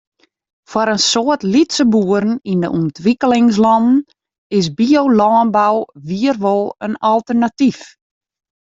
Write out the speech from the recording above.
Foar in soad lytse boeren yn de ûntwikkelingslannen is biolânbou wier wol in alternatyf.